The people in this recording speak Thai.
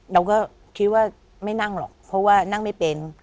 เราก็คิดว่าไม่นั่งหรอกเพราะว่านั่งไม่เป็น